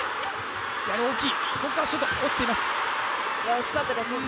惜しかったです